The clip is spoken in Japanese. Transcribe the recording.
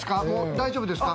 大丈夫ですか？